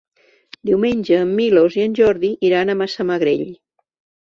Diumenge en Milos i en Jordi iran a Massamagrell.